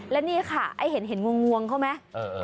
และนี่ค่ะไอ้เห็นงวงเขาไหม